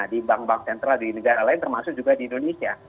di bank bank sentral di negara lain termasuk juga di indonesia